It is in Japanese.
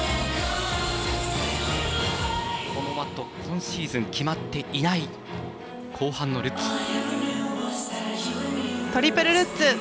このあと今シーズン決まっていない後半のルッツ。